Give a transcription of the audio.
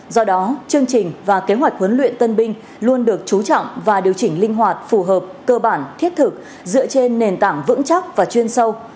do đó chương trình và kế hoạch huấn luyện tân binh luôn được chú trọng và điều chỉnh linh hoạt phù hợp cơ bản thiết thực dựa trên nền tảng vững chắc và chuyên sâu